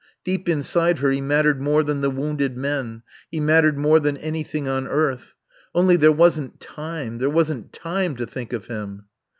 Deep inside her he mattered more than the wounded men; he mattered more than anything on earth. Only there wasn't time, there wasn't time to think of him.